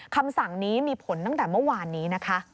คำสั่งนี้มีผลตั้งแต่เมื่อวานนี้นะคะ